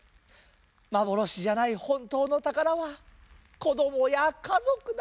まぼろしじゃないほんとうのたからはこどもやかぞくだ。